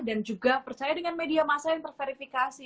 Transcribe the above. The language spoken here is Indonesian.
dan juga percaya dengan media masa yang terverifikasi